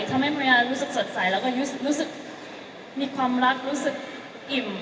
ทำให้มาริยารู้สึกสดใสแล้วก็รู้สึกมีความรักรู้สึกอิ่ม